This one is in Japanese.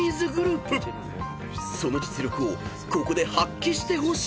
［その実力をここで発揮してほしいところ］